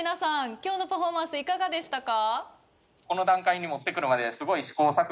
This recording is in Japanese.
今日のパフォーマンスいかがでしたか？